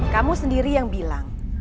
kamu sendiri yang bilang